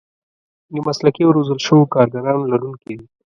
د مسلکي او روزل شوو کارګرانو لرونکي دي.